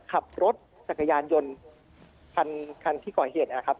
ขับรถจักรยานยนต์คันที่ก่อเหตุนะครับ